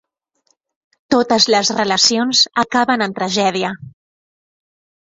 Totes les relacions acaben en tragèdia.